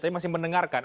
tapi masih mendengarkan